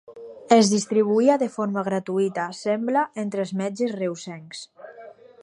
Es distribuïa de forma gratuïta, sembla, entre els metges reusencs.